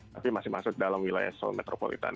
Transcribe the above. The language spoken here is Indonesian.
tapi masih masuk dalam wilayah seoul metropolitan